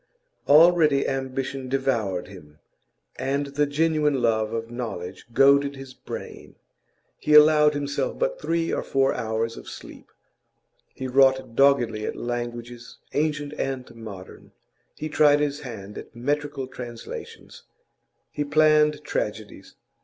Already ambition devoured him, and the genuine love of knowledge goaded his brain. He allowed himself but three or four hours of sleep; he wrought doggedly at languages, ancient and modern; he tried his hand at metrical translations; he planned tragedies.